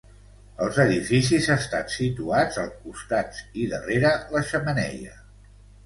Els edificis estan situats als costats i darrere la xemeneia.